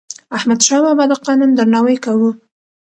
احمدشاه بابا د قانون درناوی کاوه.